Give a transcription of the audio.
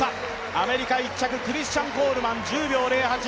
アメリカ１着、クリスチャン・コールマン、１０秒０８。